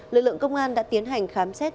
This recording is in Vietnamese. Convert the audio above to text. lực lượng công an đã tiến hành khám xét